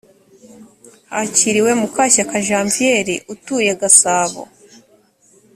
hakiriwe mukashyaka janviere utuye gasabo